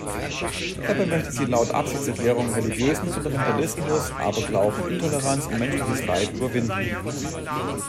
Dabei möchte sie laut Absichtserklärung religiösen Fundamentalismus, Aberglauben, Intoleranz und menschliches Leid überwinden.